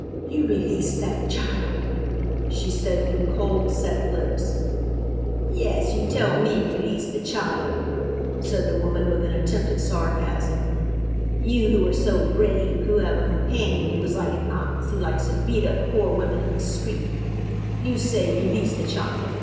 "You release that child," she said through cold, set lips. "Yes, you tell me 'release the child,'" said the woman, with an attempt at sarcasm; "you who are so brave, who have a companion who is like an ox, who likes to beat up poor women on the street. You say, 'release the child.'